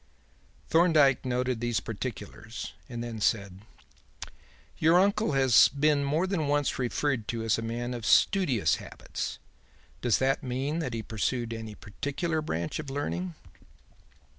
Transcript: Thorndyke noted these particulars and then said: "Your uncle has been more than once referred to as a man of studious habits. Does that mean that he pursued any particular branch of learning?"